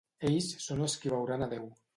Ells són els qui veuran a Déu.